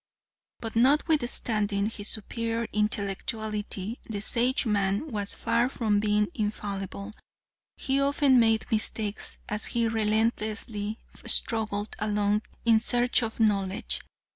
"But notwithstanding his superior intellectuality the Sageman was far from being infallible. He often made mistakes as he relentlessly struggled along in search of knowledge.